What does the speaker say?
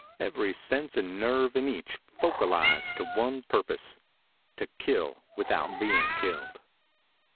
Every sense and nerve in each focalized to one purpose to kill without being killed.